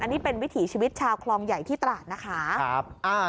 อันนี้เป็นวิถีชีวิตชาวคลองใหญ่ที่ตราดนะคะ